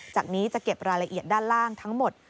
จากนี้จะเก็บรายละเอียดด้านล่างทั้งหมด